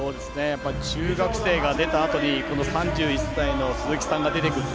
中学生が出たあとに３１歳の鈴木さんが出てくると。